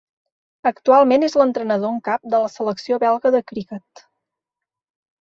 Actualment és l'entrenador en cap de la selecció belga de criquet.